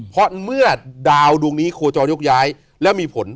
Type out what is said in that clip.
เพราะเมื่อดาวดวงนี้โคจรยกย้ายแล้วมีผล